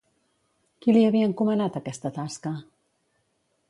Qui li havia encomanat aquesta tasca?